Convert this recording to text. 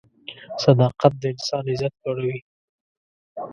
صداقت د انسان عزت لوړوي.